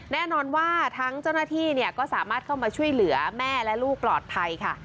แน่นอนว่าทั้งเจ้าหน้าที่ก็สามารถเข้ามาช่วยเหลือแม่และลูกปลอดภัยค่ะ